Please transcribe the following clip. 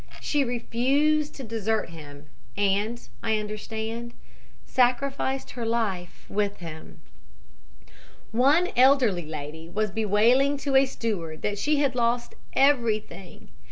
She refused to desert him and, I understand, sacrificed her life with him. "One elderly lady was bewailing to a steward that she had lost everything.